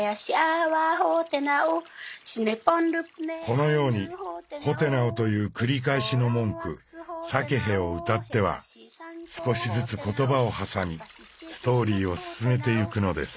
このように「ホテナオ」という繰り返しの文句サケヘを謡っては少しずつ言葉を挟みストーリーを進めていくのです。